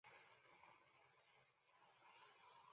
议会中采多数决。